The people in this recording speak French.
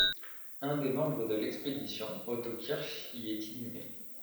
Un des membres de l'expédition, Otto Krisch, y est inhumé.